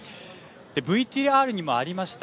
ＶＴＲにもありました